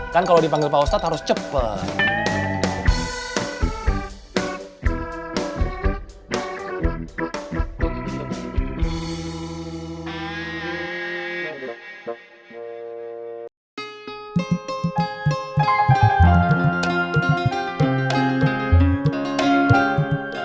kan kalau dipanggil pak ustadz harus cepet